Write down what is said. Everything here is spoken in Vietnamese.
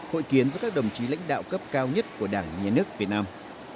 hội kiến với các đồng chí lãnh đạo cấp cao nhất của đảng nhà nước việt nam